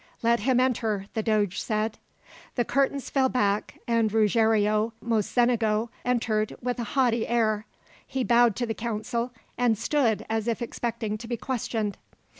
"Let him enter," the doge said. The curtains fell back, and Ruggiero Mocenigo entered with a haughty air. He bowed to the council, and stood as if expecting to be questioned.